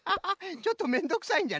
ちょっとめんどくさいんじゃな。